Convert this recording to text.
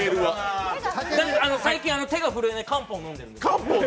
最近、手が震えない漢方飲んでるんで。